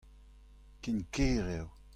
Ken ker eo.